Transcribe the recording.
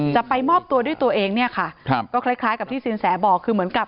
จะไปมอบตัวด้วยตัวเองเนี่ยค่ะครับก็คล้ายคล้ายกับที่สินแสบอกคือเหมือนกับ